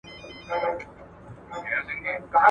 ایا د اقتصادي چارو پوهان په خپل کار کي بریالي وو؟